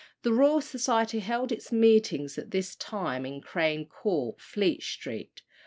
(The Royal Society held its meetings at this time in Crane Court, Fleet Street.)